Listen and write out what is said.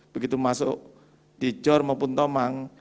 begitu masuk di jor maupun tomang